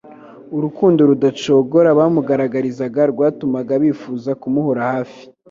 urukundo rudacogora bamugaragarizaga rwatumaga bifuza kumuhora hafi,